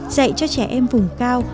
dạy cho trẻ em vùng cao